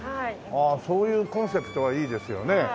ああそういうコンセプトはいいですよね。